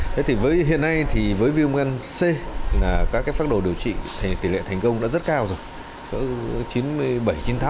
thế thì với hiện nay thì với viêm gan c là các cái pháp đồ điều trị tỷ lệ thành công đã rất cao rồi